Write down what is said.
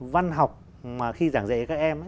văn học mà khi giảng dạy các em